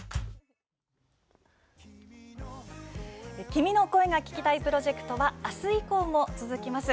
「君の声が聴きたい」プロジェクトはあす以降も続きます。